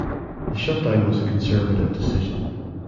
The shutdown was a conservative decision.